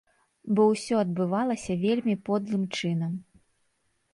Бо ўсё адбывалася вельмі подлым чынам.